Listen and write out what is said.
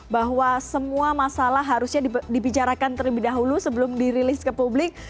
bahwa semua masalah harusnya dibicarakan terlebih dahulu sebelum dirilis ke publik